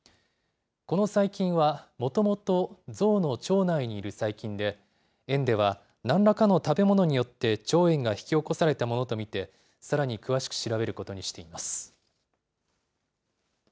この細菌は、もともとゾウの腸内にいる細菌で、園では、なんらかの食べ物によって腸炎が引き起こされたものとみて、さらに詳しく調べることにしています。